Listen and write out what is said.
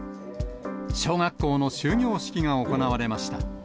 小学校の終業式が行われました。